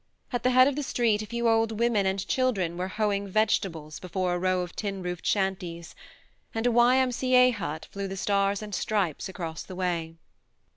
At the head of the street a few old women and children were hoeing vegetables 70 THE MARNE before a row of tin roofed shanties, and a Y.M.C.A. hut flew the stars and stripes across the way.